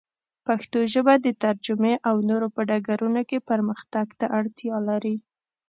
پښتو ژبه د ترجمې او نورو په ډګرونو کې پرمختګ ته اړتیا لري.